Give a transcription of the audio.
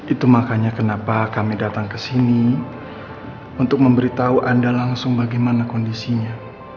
itu makanya kenapa kami datang ke sini untuk memberitahu anda langsung bagaimana kondisinya